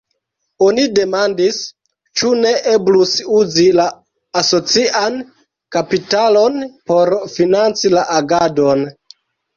Oni demandis, ĉu ne eblus uzi la asocian kapitalon por financi la agadon.